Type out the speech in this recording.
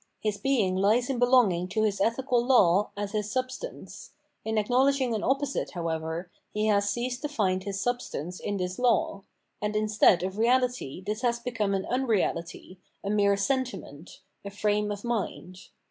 His being lies in belongmg his ethical law, as his substance; in acknowledging an opposite, however, he has ceased to find his sub stance in this law; and instead of reahty this has become an unreality, a mere seuntiment, a frame of mind.